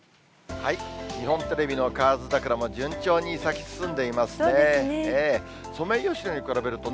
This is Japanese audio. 日本テレビの河津桜も順調に咲き進んでいますね。